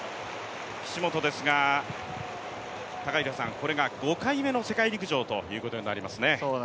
岸本ですがこれが５回目の世界陸上ということになりますね。